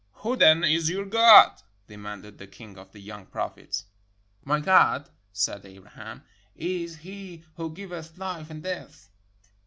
"Who, then, is your God?" demanded the king of the young prophet. — "My God," said Abraham, "is he who giveth Ufe and death."